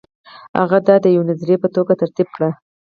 هغه دا د یوې نظریې په توګه ترتیب کړه.